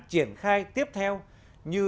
triển khai tiếp theo như